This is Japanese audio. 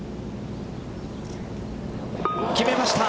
決めました。